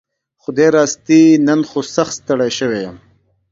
خدايي راستي نن خو سخت ستړى شوي يم